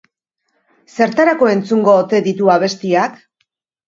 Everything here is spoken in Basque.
Zertarako entzungo ote ditu abestiak?